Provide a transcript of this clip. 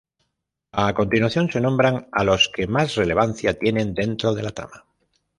A continuación se nombran a los que más relevancia tienen dentro de la trama.